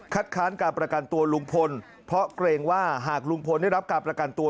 ค้านการประกันตัวลุงพลเพราะเกรงว่าหากลุงพลได้รับการประกันตัว